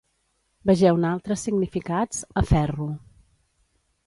Vegeu-ne altres significats a «ferro».